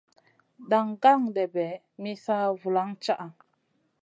Daŋ gan-ɗèɓè mi sa ma vulaŋ caʼa.